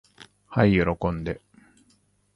はい喜んで。